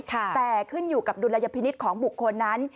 แต่ขึ้นอยู่กับดุลยพินิษฐ์ของบุคคลนั้น